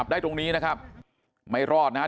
สุดท้ายเนี่ยขี่รถหน้าที่ก็ไม่ยอมหยุดนะฮะ